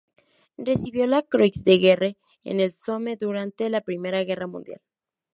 Recibió la Croix de Guerre en el Somme durante la Primera Guerra Mundial.